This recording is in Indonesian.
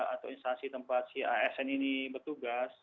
atau instansi tempat si asn ini bertugas